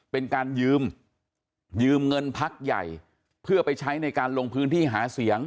เป็นการยืมยืมเงินพักใหญ่เพื่อไปใช้ในการลงพื้นที่หาเสียง